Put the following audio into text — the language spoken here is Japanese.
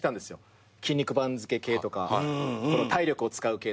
『筋肉番付』系とか体力を使う系とか。